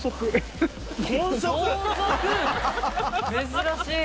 珍しい！